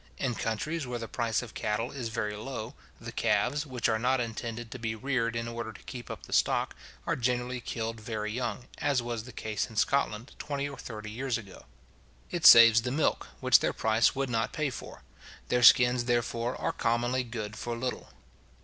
In countries where the price of cattle is very low, the calves, which are not intended to be reared in order to keep up the stock, are generally killed very young, as was the case in Scotland twenty or thirty years ago. It saves the milk, which their price would not pay for. Their skins, therefore, are commonly good for little.